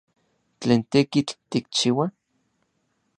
¿Tlen tekitl tikchiua?